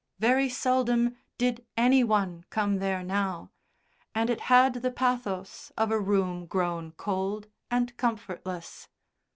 Very seldom did any one come there now, and it had the pathos of a room grown cold and comfortless.